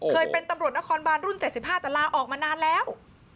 เคยเป็นตำรวจนครบานรุ่น๗๕แต่ลาออกมานานแล้ว